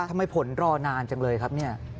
ทำไมผลรอนานจังเลยครับ